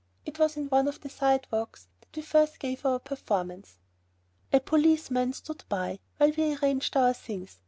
It was in one of the side walks that we gave our first performance. A policeman stood by while we arranged our things.